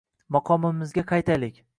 Maqomimizga qaytaylik!